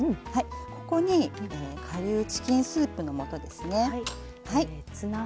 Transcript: ここに顆粒チキンスープの素ですね。